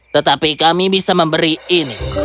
tetapi kami bisa memberi ini